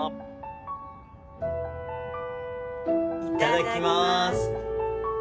いただきます。